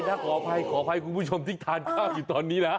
ถ้าขอภัยขอภัยคุณผู้ชมสิทธิ์ทานข้ามอยู่ตอนนี้นะ